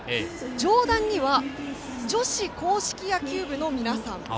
上段には女子硬式野球部の皆さん。